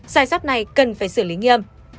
sai sắp này cần phải xử lý nghiêm